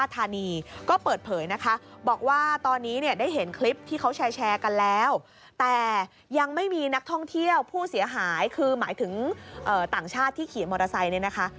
ต่างชาติที่ขี่มอเตอร์ไซค์นี้นะคะ